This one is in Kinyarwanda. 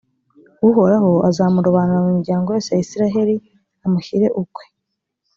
uhoraho azamurobanura mu miryango yose ya israheli amushyire ukwe,